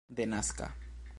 denaska